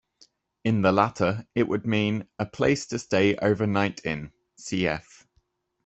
In the latter, it would mean "a place to stay overnight in"; cf.